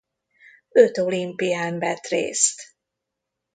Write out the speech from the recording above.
Öt olimpián vett részt.